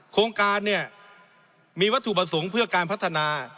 โครงการเนี่ยมีวัตถุประสงค์เพื่อการพัฒนา